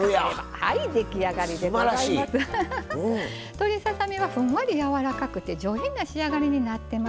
鶏ささ身はふんわりやわらかくて上品な仕上がりになってます。